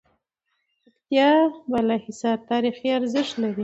پکتيا بالاحصار تاريخي ارزښت لری